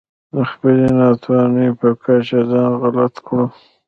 د خپلې ناتوانۍ په کچه ځان غلط کړو.